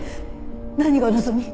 何がお望み？